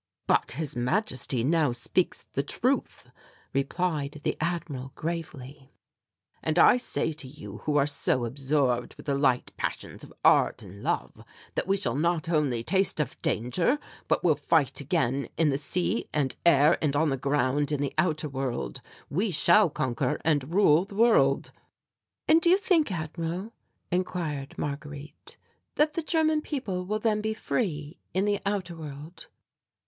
"But His Majesty now speaks the truth," replied the Admiral gravely, "and I say to you who are so absorbed with the light passions of art and love that we shall not only taste of danger but will fight again in the sea and air and on the ground in the outer world. We shall conquer and rule the world." "And do you think, Admiral," inquired Marguerite, "that the German people will then be free in the outer world?"